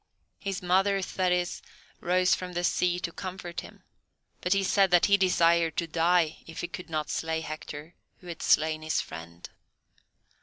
His mother, Thetis, arose from the sea to comfort him, but he said that he desired to die if he could not slay Hector, who had slain his friend.